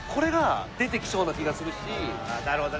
あなるほどね。